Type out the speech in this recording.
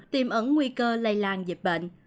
tiêm ẩn nguy cơ lây lan dịch bệnh